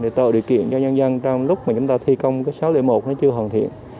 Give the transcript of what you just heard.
để tạo điều kiện cho nhân dân trong lúc mà chúng ta thi công cái sáu trăm linh một nó chưa hoàn thiện